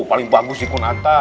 paling bagus di kunanta